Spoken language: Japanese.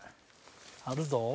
あるぞ。